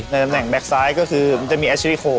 ในแบ่งแบคไซด์ก็คือมันจะมีแอชริโค